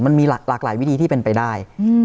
มันมีหลากหลายวิธีที่เป็นไปได้